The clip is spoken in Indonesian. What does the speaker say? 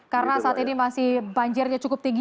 karena saat ini masih banjirnya cukup tinggi